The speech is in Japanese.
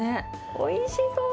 おいしそう。